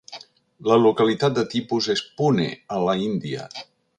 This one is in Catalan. La localitat de tipus és Pune a la India.